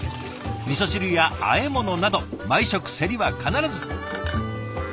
みそ汁やあえ物など毎食せりは必ず。